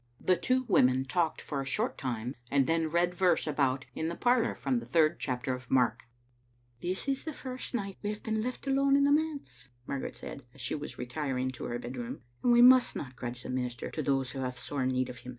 The two women talked for a short time, and then read verse about in the parlor from the third chapter of Mark. " This is the first night we have been left alone in the manse," Margaret said, as she was retiring to her bed room, " and we must not grudge the minister to those who have sore need of him.